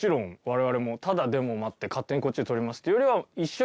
我々もただデモ待って勝手にこっちでとりますっていうよりは。